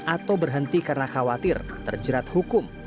atau berhenti karena khawatir terjerat hukum